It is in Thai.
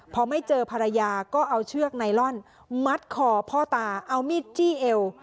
พอไม่เจอภรรยาก็เอาเชือกไนลอนมัดคอพ่อตาเอามีดจี้เอว